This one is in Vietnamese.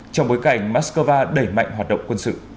trong bối cảnh moscow đẩy mạnh hoạt động quân sự